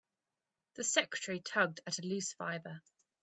The secretary tugged at a loose fibre.